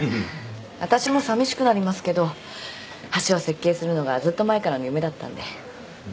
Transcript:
わたしもさみしくなりますけど橋を設計するのがずっと前からの夢だったんで。